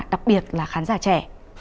đặc biệt là khán giả trẻ